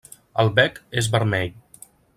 El bec és vermell.